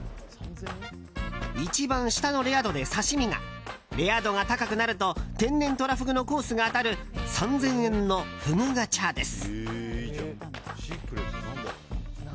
一番下のレア度で刺し身がレア度が高くなると天然トラフグのコースが当たる３０００円のふぐガチャです。